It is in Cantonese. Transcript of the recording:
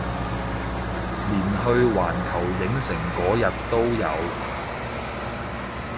連去環球影城嗰日都有